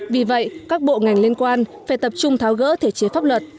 vì vậy các bộ ngành liên quan phải tập trung tháo gỡ thể chế pháp luật